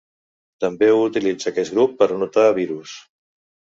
També ho utilitza aquest grup per anotar virus.